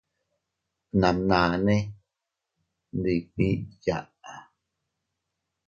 Bnamnane ndibii yaʼa.